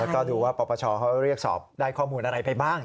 แล้วก็ดูว่าปปชเขาเรียกสอบได้ข้อมูลอะไรไปบ้าง